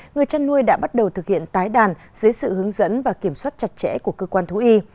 người chăn nuôi đã bắt đầu thực hiện tái đàn dưới sự hướng dẫn và kiểm soát chặt chẽ của cơ quan thú y